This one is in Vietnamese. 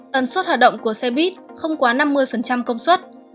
tần suất hoạt động của xe buýt không quá năm mươi công suất